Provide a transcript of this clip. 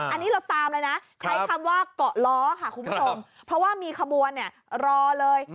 อันนี้เราตามเลยนะใช้คำว่าเกาะล้อค่ะคุณผู้ชมเพราะว่ามีขบวนเนี่ยรอเลย